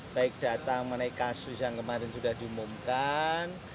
baik data mengenai kasus yang kemarin sudah diumumkan